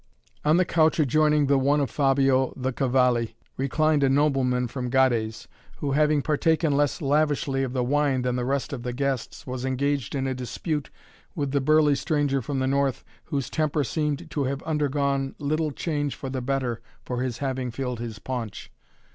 On the couch adjoining the one of Fabio of the Cavalli reclined a nobleman from Gades, who, having partaken less lavishly of the wine than the rest of the guests, was engaged in a dispute with the burly stranger from the North, whose temper seemed to have undergone little change for the better for his having filled his paunch.